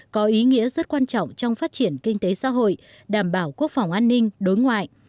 có ý nghĩa rất quan trọng trong phát triển kinh tế xã hội đảm bảo quốc phòng an ninh đối ngoại